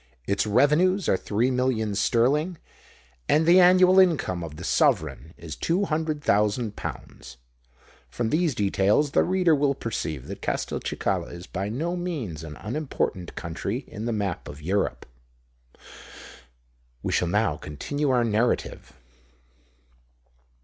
Its revenues are three millions sterling; and the annual income of the sovereign is two hundred thousand pounds. From these details the reader will perceive that Castelcicala is by no means an unimportant country in the map of Europe. We shall now continue our narrative.